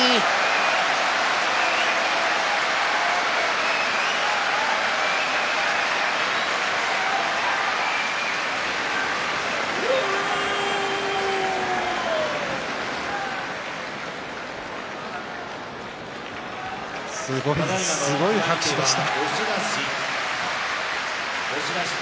拍手すごい拍手でした。